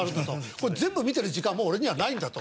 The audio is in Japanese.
これ全部見てる時間はもう俺にはないんだと。